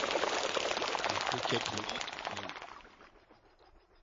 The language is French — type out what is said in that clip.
Les Poquettes volantes, vol.